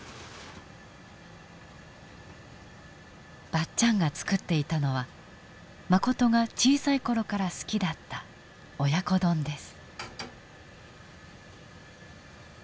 ばっちゃんが作っていたのはマコトが小さい頃から好きだった親子丼です。